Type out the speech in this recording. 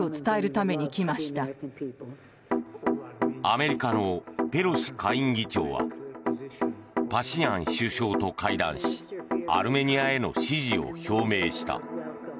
アメリカのペロシ下院議長はパシニャン首相と会談しアルメニアへの支持を表明した。